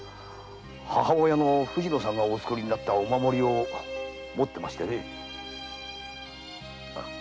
母親の藤乃様がお作りになったお守りを持っておりましてね。